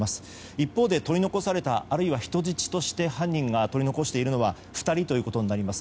一方で取り残されたあるいは人質として犯人が取り残しているのは２人ということになります。